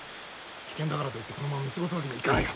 危険だからといってこのまま見過ごすわけにはいかないよ。